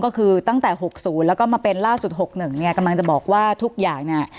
ก็คือตั้งแต่๖๐แล้วก็มาเป็นล่าสุด๖๑เนี่ยกำลังจะบอกว่าทุกอย่างเนี่ย